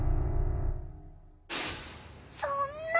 そんな！